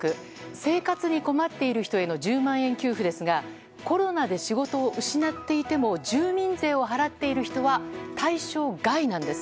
生活に困っている人への１０万円給付ですがコロナで仕事を失っていても住民税を払っている人は対象外なんです。